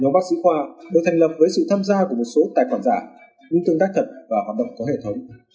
nhóm bác sĩ khoa đều thành lập với sự tham gia của một số tài khoản giả những tương tác thật và hoạt động có hệ thống